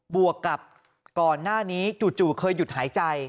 วกกับก่อนหน้านี้จู่เคยหยุดหายใจ